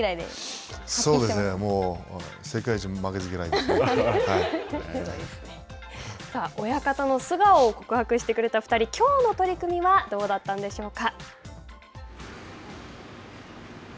そうですね、さあ親方の素顔を告白してくれた２人、きょうの取組はどうだったんでしょうか。